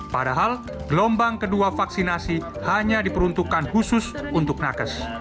padahal gelombang kedua vaksinasi hanya diperuntukkan khusus untuk nakes